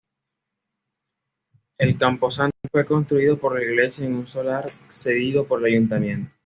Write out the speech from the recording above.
El camposanto fue construido por la Iglesia en un solar cedido por el Ayuntamiento.